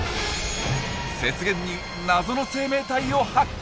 雪原に謎の生命体を発見！